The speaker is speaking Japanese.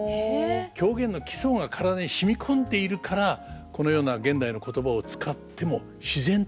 狂言の基礎が体に染み込んでいるからこのような現代の言葉を使っても自然と狂言になるんでしょうね。